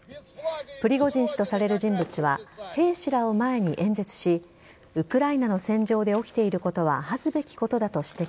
プリゴジン氏とされる人物は兵士らを前に演説しウクライナの戦場で起きていることは恥ずべきことだと指摘。